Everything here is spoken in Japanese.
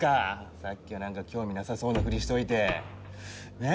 さっきはなんか興味なさそうなふりしといてねっ？